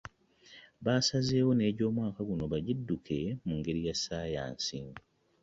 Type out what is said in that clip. Baasazeewo n'egyomwaka guno bagidduke mu ngeri ya ssaayansi